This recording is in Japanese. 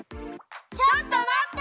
ちょっと待っと！